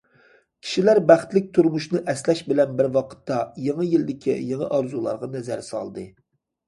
كىشىلەر بەختلىك تۇرمۇشنى ئەسلەش بىلەن بىر ۋاقىتتا، يېڭى يىلدىكى يېڭى ئارزۇلارغا نەزەر سالدى.